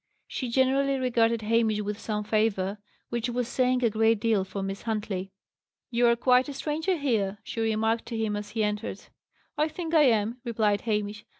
She generally regarded Hamish with some favour, which was saying a great deal for Miss Huntley. "You are quite a stranger here," she remarked to him as he entered. "I think I am," replied Hamish. "Mr.